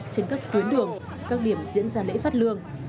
trên các tuyến đường các điểm diễn ra lễ phát lương